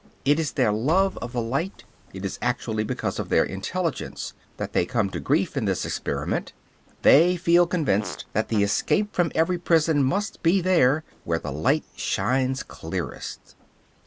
It is their love of the light, it is actually because of their intelligence, that they come to grief in this experiment. They feel convinced that the escape from every prison must be there where the light shines clearest.